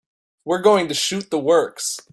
We're going to shoot the works.